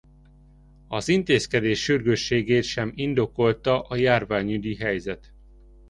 Az intézkedés sürgősségét sem indokolta a járványügyi helyzet.